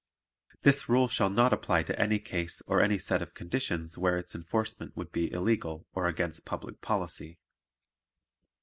This rule shall not apply to any case or any set of conditions where its enforcement would be illegal or against public policy.